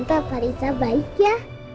tante pak riza baik ya